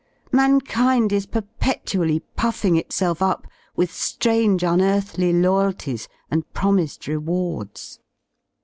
Mankind is perpetually puffing itself up with Grange unearthly loyalties and promised rewards.